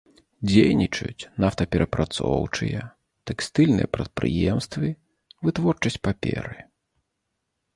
Дзейнічаюць нафтаперапрацоўчыя, тэкстыльныя прадпрыемствы, вытворчасць паперы.